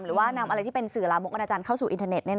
หรือว่านำอะไรที่เป็นสื่อลามกอนาจารย์เข้าสู่อินเทอร์เน็ต